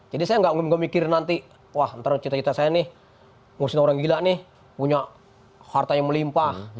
jadi saya nggak mikir mikir nanti wah ntar cita cita saya nih ngurusin orang gila nih punya harta yang melimpah